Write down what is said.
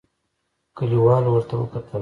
کليوالو ورته وکتل.